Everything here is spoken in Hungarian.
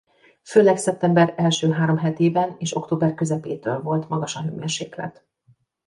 Főleg szeptember első három hetében és október közepétől volt magas a hőmérséklet.